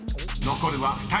［残るは２人。